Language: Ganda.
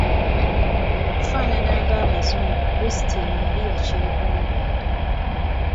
Okufaanana ng'abazungu kulisitini yali yakyegomba dda.